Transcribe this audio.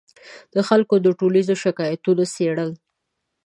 د خلکو د ټولیزو شکایتونو څېړل